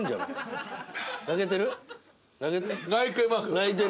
泣いてる。